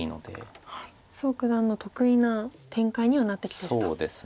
蘇九段の得意な展開にはなってきてると。